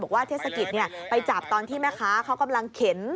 เทศกิจไปจับตอนที่แม่ค้าเขากำลังเข็น